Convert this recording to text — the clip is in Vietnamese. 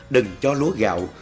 đừng cho lúa gạo